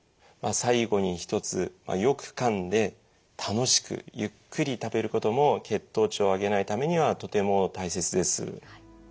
最後に一つよくかんで楽しくゆっくり食べることも血糖値を上げないためにはとても大切です。